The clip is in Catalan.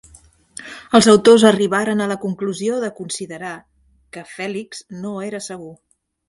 Els autors arribaren a la conclusió de considerar que Phelix no era segur.